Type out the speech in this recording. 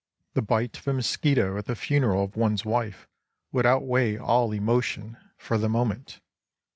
The bite of a mosquito at the funeral of one's wife would outweigh all emotion for the moment.